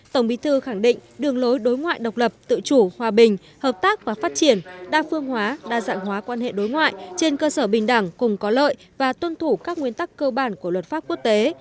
tổng bí thư khẳng định đường lối đối ngoại độc lập tự chủ hòa bình hợp tác và phát triển đa phương hóa đa dạng hóa quan hệ đối ngoại trên cơ sở bình đẳng cùng có lợi và tuân thủ các nguyên tắc cơ bản của luật pháp quốc tế